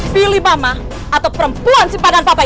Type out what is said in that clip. pilih mama atau perempuan simpadan papanya